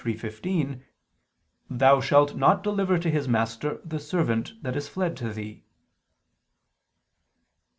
23:15): "Thou shalt not deliver to his master the servant that is fled to thee."